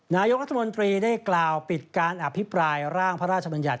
นายกรัฐมนตรีได้กล่าวปิดการอภิปรายร่างพระราชบัญญัติ